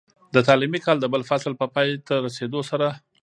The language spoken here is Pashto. د تعليمي کال د بل فصل په پای ته رسېدو سره،